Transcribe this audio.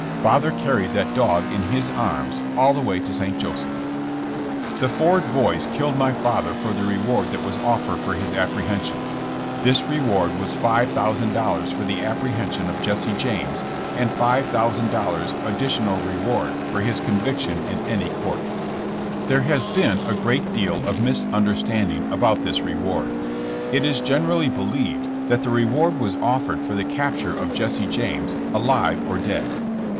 Father carried that dog in his arms all the way to St. Joseph. The Ford boys killed my father for the reward that was offered for his apprehension. This reward was $5,000 for the apprehension of Jesse James and $5,000 additional reward for his conviction in any court. There has been a great deal of misunderstand ing about this reward. It is generally believed that the reward was offered for the capture of Jesse James alive or dead.